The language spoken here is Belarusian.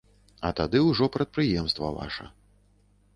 А тады ўжо прадпрыемства ваша.